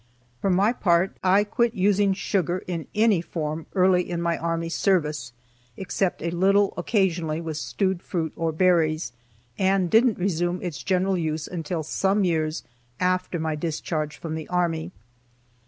For my part, I quit using sugar in any form, early in my army service, (except a little, occasionally, with stewed fruit, or berries,) and didn't resume its general use until some years after my discharge from the army.